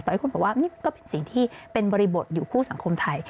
แต่ให้คุณบอกว่านี่ก็เป็นสิ่งที่เป็นบริบทอยู่คู่สังคมไทย